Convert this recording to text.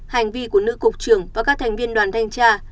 hành vi của nữ cục trưởng và các thành viên đoàn thanh tra